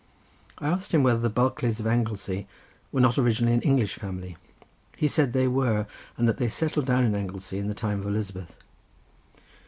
I asked him whether the Bulkleys of Anglesea were not originally an English family. He said they were, and that they settled down in Anglesea in the time of Elizabeth.